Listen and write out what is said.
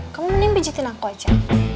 kamu mending pijetin aku aja